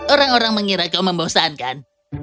orang orang mengira kau membosankan